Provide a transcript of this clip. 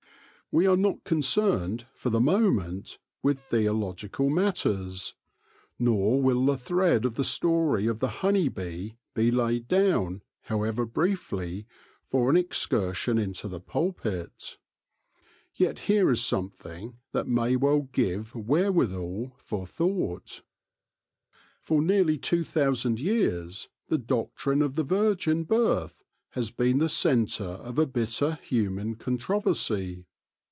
We are not concerned, for the moment, with theo logical matters ; nor will the thread of the story of the honey bee be laid down, however briefly, for an excursion into the pulpit. Yet here is something that may well give wherewithal for thought. For THE GENESIS OF THE QUEEN j$ nearly two thousand years the Doctrine of the Virgin Birth has been the centre of a bitter human contro versy.